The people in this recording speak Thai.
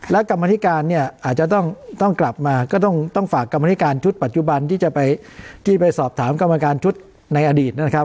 แล้วกรรมธิการเนี่ยอาจจะต้องกลับมาก็ต้องฝากกรรมนิการชุดปัจจุบันที่จะไปที่ไปสอบถามกรรมการชุดในอดีตนะครับ